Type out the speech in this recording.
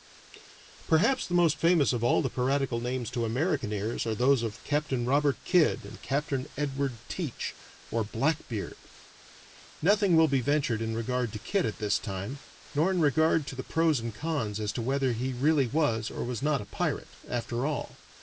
Perhaps the most famous of all the piratical names to American ears are those of Capt. Robert Kidd and Capt. Edward Teach, or "Blackbeard." Nothing will be ventured in regard to Kidd at this time, nor in regard to the pros and cons as to whether he really was or was not a pirate, after all.